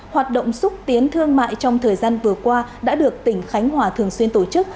hoạt động xúc tiến thương mại trong thời gian vừa qua đã được tỉnh khánh hòa thường xuyên tổ chức